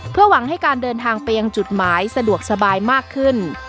เพื่อหวังให้การเดินทางไปยังจุดหมายสะดวกสบายมากขึ้น